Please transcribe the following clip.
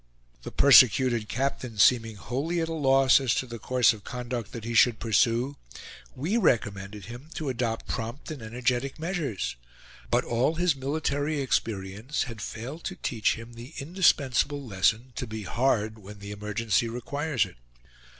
The persecuted captain seeming wholly at a loss as to the course of conduct that he should pursue, we recommended him to adopt prompt and energetic measures; but all his military experience had failed to teach him the indispensable lesson to be "hard," when the emergency requires it.